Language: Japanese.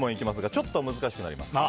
ちょっと難しくなります。